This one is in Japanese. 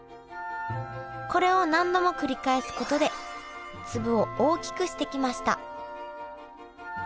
これを何度も繰り返すことで粒を大きくしてきました。